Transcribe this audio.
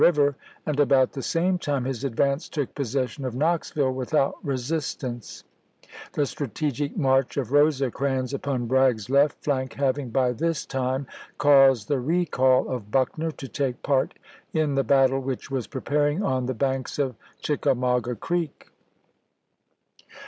River, and about the same time his advance took j)OSsession of Knoxville without resistance, the strategic march of Rosecrans upon Bragg's left flank having by this time caused the recall of Buckner to take part in the battle which was preparing on the banks of Chickamauga Creek.